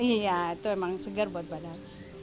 iya itu emang segar buat badan